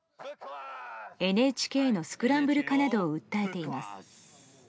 ＮＨＫのスクランブル化などを訴えています。